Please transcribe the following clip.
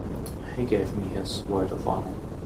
He gave me his word of honor.